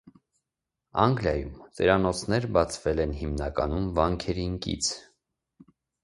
Անգլիայում ծերանոցներ բացվել են հիմնականում վանքերին կից։